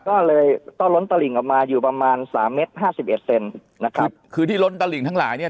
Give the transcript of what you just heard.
ก็เลยก็ล้นตลิ่งออกมาอยู่ประมาณสามเมตรห้าสิบเอ็ดเซนนะครับคือที่ล้นตะหลิงทั้งหลายเนี่ย